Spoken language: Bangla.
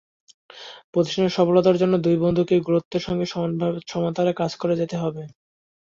প্রতিষ্ঠানের সফলতার জন্য দুই বন্ধুকেই গুরুত্বের সঙ্গে সমানতালে কাজ করে যেতে হবে।